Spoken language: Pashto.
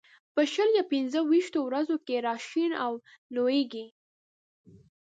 په شل یا پنځه ويشتو ورځو کې را شین او لوېږي.